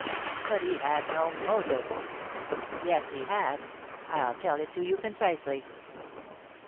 "But he had no motive." "Yes, he had. I'll tell it to you concisely."